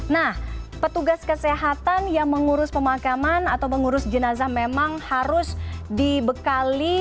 nah petugas kesehatan yang mengurus pemakaman atau mengurus jenazah memang harus dibekali